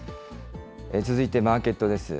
続いてマーケットです。